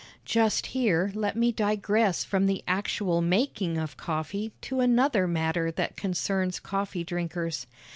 Just here let me digress from the actual making of coffee to another matter that concerns coffee drinkers.